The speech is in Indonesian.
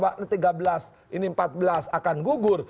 ini tiga belas ini empat belas akan gugur